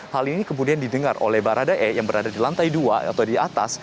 hal ini kemudian didengar oleh baradae yang berada di lantai dua atau di atas